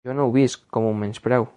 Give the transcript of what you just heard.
Jo no ho visc com un menyspreu.